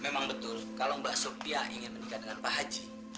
memang betul kalau mbak sopia ingin menikah dengan pak haji